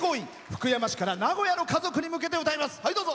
福山市から名古屋の家族に向けて歌います。